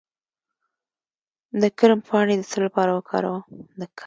د کرم پاڼې د څه لپاره وکاروم؟